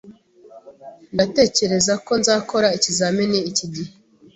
Ndatekereza ko nzakora ikizamini iki gihe.